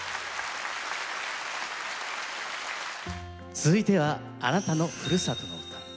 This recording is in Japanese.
続いては「あなたのふるさとの唄」。